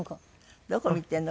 どこ見てるの？